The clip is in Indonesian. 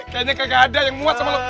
kayaknya kagak ada yang muat sama lo